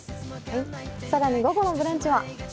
更に午後の「ブランチ」は？